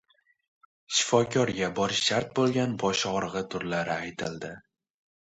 Shifokorga borish shart bo‘lgan bosh og‘rig‘i turlari aytildi